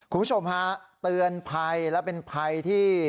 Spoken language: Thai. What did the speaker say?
คุณผู้ชมฮะเตือนภัยและเป็นภัยที่